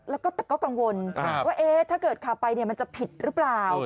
แล้วก็ก็กังวลว่าเอ๊ถ้าเกิดขาไปเนี่ยมันจะผิดรึเปล่า